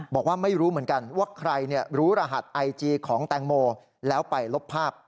บอกว่าไม่รู้เหมือนกันว่าใครรู้รหัสไอจีของแตงโมแล้วไปลบภาพ